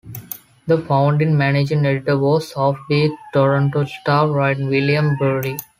The founding managing editor was offbeat "Toronto Star" writer William Burrill.